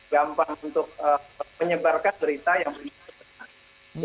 gampang untuk menyebarkan berita yang benar